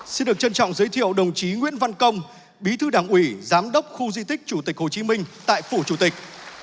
xin được trân trọng giới thiệu đồng chí nguyễn văn công bí thư đảng ủy giám đốc khu di tích chủ tịch hồ chí minh tại phủ chủ tịch